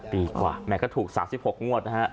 ปีกว่าแม่ก็ถูก๓๖งวดนะฮะ